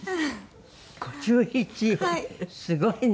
すごいね。